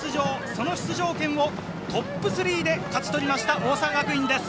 その出場権をトップ３で勝ち取りました。